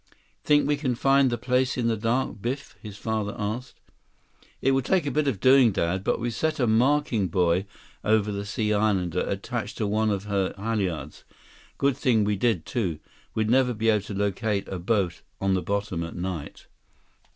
"Think we can find the place in the dark, Biff?" his father asked. "It will take a bit of doing, Dad. But we set a marking buoy over the Sea Islander, attached to one of her halyards. Good thing we did, too. We'd never be able to locate a boat on the bottom at night."